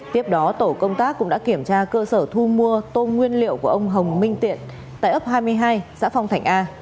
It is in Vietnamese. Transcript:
tiếp đó tổ công tác cũng đã kiểm tra cơ sở thu mua tôm nguyên liệu của ông hồng minh tiện tại ấp hai mươi hai xã phong thạnh a